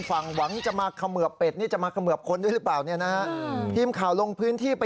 สัดครึ่งบกครึ่งน้ำค่ะ